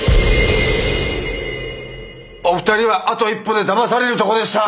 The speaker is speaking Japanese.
お二人はあと一歩でだまされるとこでした！